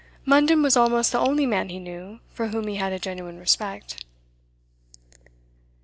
Munden was almost the only man he knew for whom he had a genuine respect.